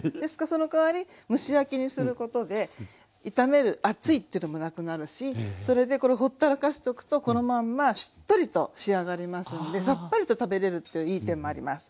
そのかわり蒸し焼きにすることで炒める暑いってのもなくなるしそれでこれほったらかしとくとこのまんましっとりと仕上がりますのでさっぱりと食べれるといういい点もあります。